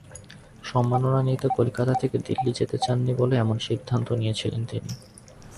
সম্মাননা নিতে কলকাতা থেকে দিল্লি যেতে চাননি বলেই এমন সিদ্ধান্ত নিয়েছিলেন তিনি।